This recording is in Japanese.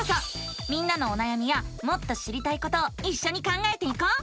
みんなのおなやみやもっと知りたいことをいっしょに考えていこう！